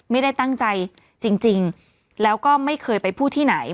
ไม่ได้ตั้งใจจริงแล้วก็ไม่เคยไปพูดที่ไหน